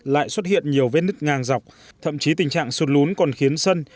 lại xuất hiện nhiều vết nứt ngang dọc thậm chí tình trạng sụt lún còn khiến sân